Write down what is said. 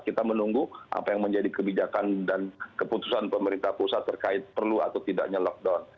kita menunggu apa yang menjadi kebijakan dan keputusan pemerintah pusat terkait perlu atau tidaknya lockdown